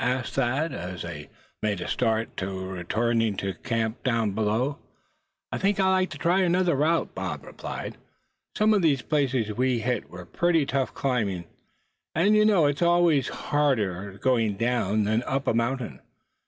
asked Thad, as they made a start toward returning to the camp down below. "I think I'd like to try another route," Bob replied. "Some of those places we hit were pretty tough climbing; and you know it's always harder going down, than up a mountain.